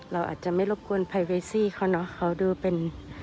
เราอาจจะไม่รบกวนไพเวซี่เขาเนอะเขาดูเป็น